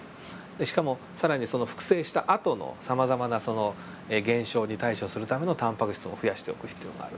でしかも更に複製したあとのさまざまなその現象に対処するためのタンパク質も増やしておく必要があると。